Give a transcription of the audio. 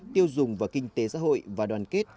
tiêu dùng và kinh tế xã hội và đoàn kết